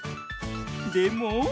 でも。